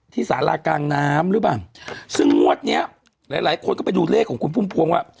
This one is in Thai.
สารากลางน้ำหรือเปล่าซึ่งงวดเนี้ยหลายหลายคนก็ไปดูเลขของคุณพุ่มพวงว่า